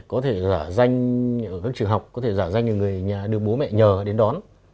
có thể giả danh ở các trường học có thể giả danh là người nhà được bố mẹ nhờ đến đón